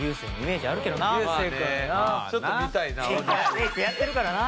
メイクやってるからな。